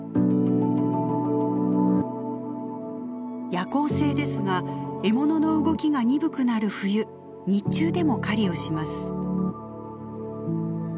夜行性ですが獲物の動きが鈍くなる冬日中でも狩りをします。